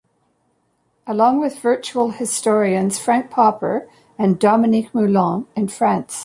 Along with virtual historians Frank Popper and Dominique Moulon in France.